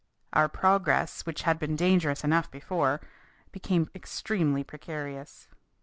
Our progress, which had been dangerous enough before, became extremely precarious.